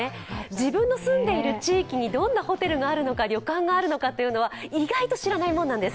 自分の住んでいる地域にどんなホテルがあるのか旅館があるのか意外と知らないものなんです。